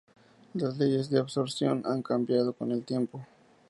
Las leyes de absorción han cambiado con el tiempo.